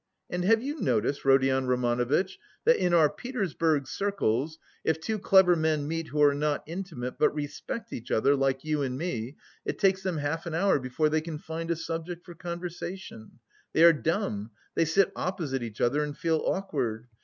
and have you noticed, Rodion Romanovitch, that in our Petersburg circles, if two clever men meet who are not intimate, but respect each other, like you and me, it takes them half an hour before they can find a subject for conversation they are dumb, they sit opposite each other and feel awkward.